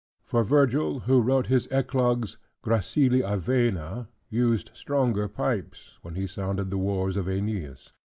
For Virgil, who wrote his Eclogues, "gracili avena," used stronger pipes, when he sounded the wars of Aeneas.